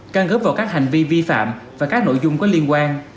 căn góp vào các hành vi vi phạm và các nội dung có liên quan